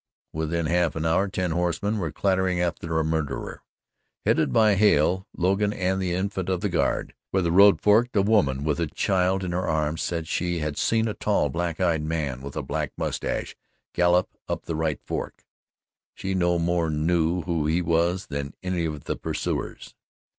Within half an hour ten horsemen were clattering after the murderer, headed by Hale, Logan, and the Infant of the Guard. Where the road forked, a woman with a child in her arms said she had seen a tall, black eyed man with a black moustache gallop up the right fork. She no more knew who he was than any of the pursuers.